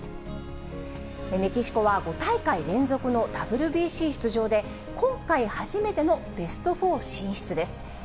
メキシコは５大会連続のＷＢＣ出場で、今回、初めてのベスト４進出です。